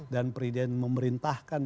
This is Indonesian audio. dan presiden memerintahkan